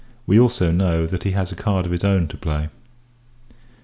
We also know, that he has a card of his own to play.